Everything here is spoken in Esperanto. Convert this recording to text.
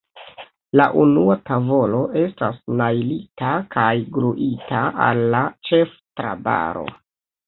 La unua tavolo estas najlita kaj gluita al la ĉeftrabaro.